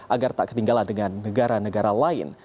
agar tak ketinggalan dengan negara negara lain